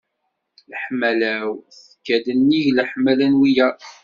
Leḥmala-w tekka-d nnig leḥmala n wiyaḍ.